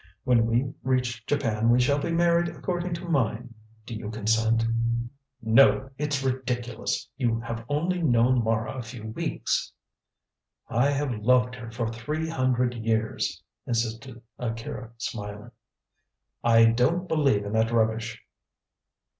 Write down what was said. When we reach Japan we shall be married according to mine. Do you consent?" "No! It's ridiculous! You have only known Mara a few weeks." "I have loved her for three hundred years!" insisted Akira, smiling. "I don't believe in that rubbish."